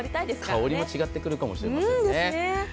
香りが違ってくるかもしれません。